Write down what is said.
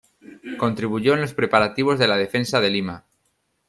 Contribuyó en los preparativos de la defensa de Lima.